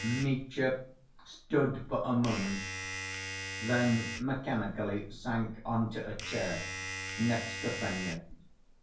Mitya stood for a moment, then mechanically sank on to a chair next to Fenya.